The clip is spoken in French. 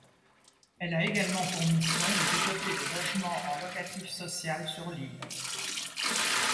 Elle a également pour mission de développer le logement en locatif social sur l'île.